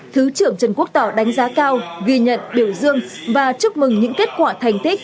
thứ trưởng trần quốc tỏ đánh giá cao ghi nhận biểu dương và chúc mừng những kết quả thành tích